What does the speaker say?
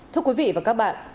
thưa quý vị và các bạn